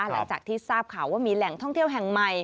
หลังจากที่ทราบข่าวว่ามีแหล่งท่องเที่ยวแห่งใหม่